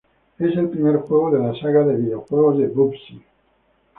Es el primer juego de la "saga de videojuegos de Bubsy".